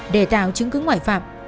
để tạo chứng cứ ngoại phạm